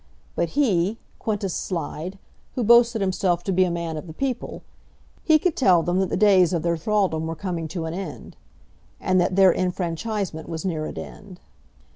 But he, Quintus Slide, who boasted himself to be a man of the people, he could tell them that the days of their thraldom were coming to an end, and that their enfranchisement was near at hand.